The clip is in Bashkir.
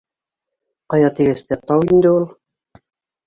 Ҡая тигәс тә, тау инде ул